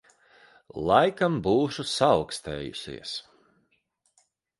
Laikam būšu saaukstējusies.